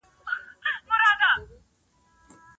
دا چاره د هغه وخت دود و.